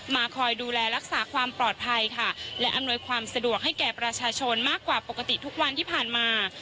คอยดูแลรักษาความปลอดภัยค่ะและอำนวยความสะดวกให้แก่ประชาชนมากกว่าปกติทุกวันที่ผ่านมา